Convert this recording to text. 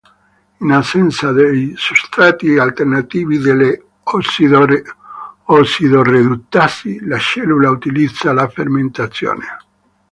In assenza dei substrati alternativi delle ossidoreduttasi, la cellula utilizza la fermentazione.